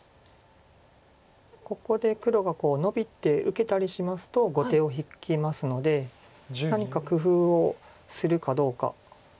ここで黒がノビて受けたりしますと後手を引きますので何か工夫をするかどうか。